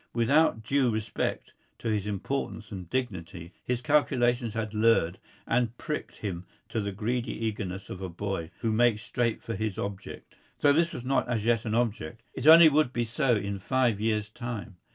Without due respect to his importance and dignity, his calculations had lured and pricked him to the greedy eagerness of a boy, who makes straight for his object though this was not as yet an object; it only would be so in five years' time.